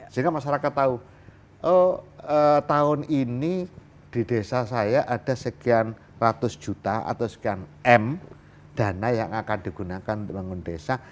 sehingga masyarakat tahu tahun ini di desa saya ada sekian ratus juta atau sekian m dana yang akan digunakan untuk bangun desa